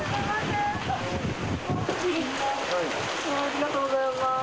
ありがとうございます。